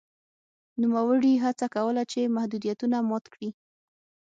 نوموړي هڅه کوله چې محدودیتونه مات کړي.